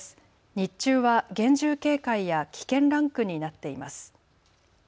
日中は厳重警戒や危険ランクになっています。